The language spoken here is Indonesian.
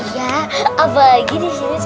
ya apalagi disini